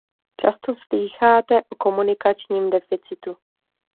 Často slýcháte o komunikačním deficitu.